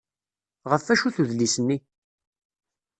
Ɣef wacu-t udlis-nni?